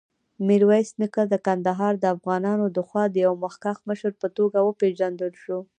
میرویس نیکه د کندهار دافغانانودخوا د یوه مخکښ مشر په توګه وپېژندل شو.